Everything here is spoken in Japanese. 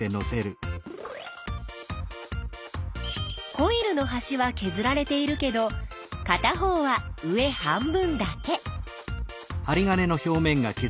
コイルのはしはけずられているけどかた方は上半分だけ。